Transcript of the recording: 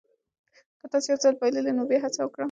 که تاسي یو ځل بایللي نو بیا هڅه وکړئ.